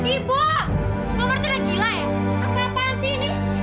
aku harus mencari penyelesaian